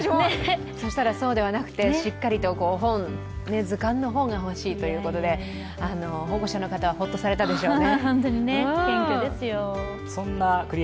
そうしたら、そうではなく、しっかりと本、図面の方が欲しいということで、保護者の方はホッとされたでしょうね。